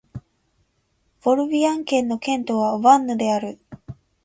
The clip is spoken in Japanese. モルビアン県の県都はヴァンヌである